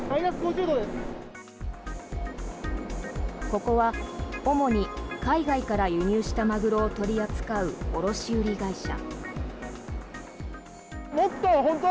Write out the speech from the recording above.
ここは、主に海外から輸入したマグロを取り扱う卸売会社。